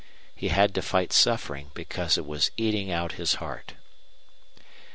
He had to fight suffering because it was eating out his heart.